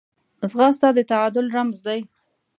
ځغاسته د تعادل رمز دی